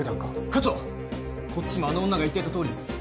課長こっちもあの女が言ってたとおりです